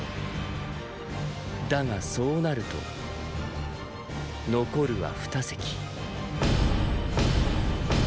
だがそうなると残るは二席。